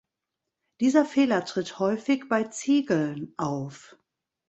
Dieser Fehler tritt häufig bei Ziegeln auf.